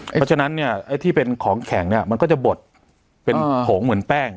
เพราะฉะนั้นเนี่ยไอ้ที่เป็นของแข็งเนี่ยมันก็จะบดเป็นผงเหมือนแป้ง